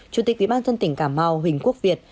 chủ tịch ủy ban dân tỉnh cà mau huỳnh quốc việt